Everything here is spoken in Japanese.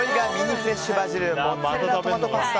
フレッシュバジル＆モッツァレラトマトパスタ。